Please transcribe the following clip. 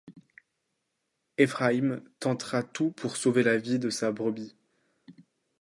Ephraïm tentera tout pour sauver la vie de sa brebis.